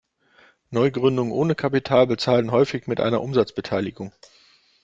Neugründungen ohne Kapital bezahlen häufig mit einer Umsatzbeteiligung.